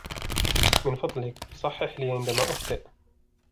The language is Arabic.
من فضلك, صحِح لي, عندما أُخطيء.